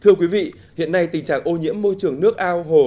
thưa quý vị hiện nay tình trạng ô nhiễm môi trường nước ao hồ